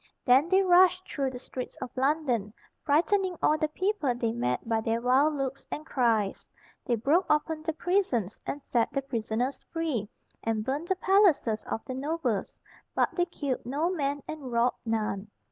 Then they rushed through the streets of London, frightening all the people they met by their wild looks and cries. They broke open the prisons, and set the prisoners free, and burned the palaces of the nobles, but they killed no man and robbed none.